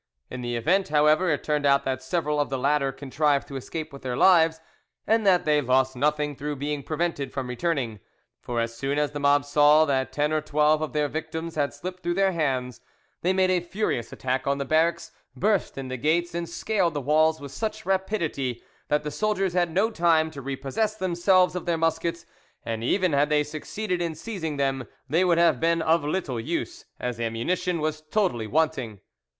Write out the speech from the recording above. In the event; however, it turned out that several of the latter contrived to escape with their lives and that they lost nothing through being prevented from returning; for as soon as the mob saw that ten or twelve of their victims had slipped through their hands they made a furious attack on the barracks, burst in the gates, and scaled the walls with such rapidity, that the soldiers had no time to repossess themselves of their muskets, and even had they succeeded in seizing them they would have been of little use, as ammunition was totally wanting.